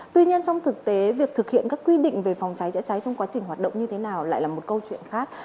tuy nhiên trong thực tế việc thực hiện các quy định về phòng cháy chữa cháy trong quá trình hoạt động như thế nào lại là một câu chuyện khác